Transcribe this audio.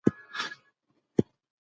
د فلج درملنه نشته.